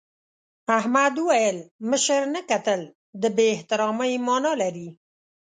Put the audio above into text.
احمد وویل مشر ته کتل د بې احترامۍ مانا لري.